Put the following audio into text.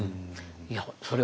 いやそれ